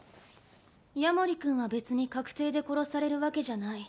夜守君は別に確定で殺されるわけじゃない。